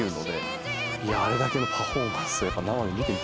あれだけのパフォーマンス。